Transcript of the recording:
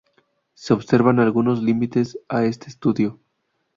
Se observan algunos límites a este estudio.